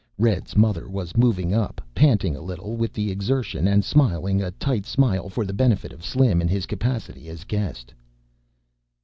Red's mother was moving up, panting a little with the exertion and smiling a tight smile for the benefit of Slim in his capacity as guest.